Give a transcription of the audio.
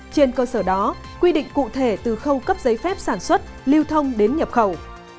trên cơ sở đó quy định cụ thể từ khâu cấp giấy phép sản xuất lưu thông đến nhập khẩu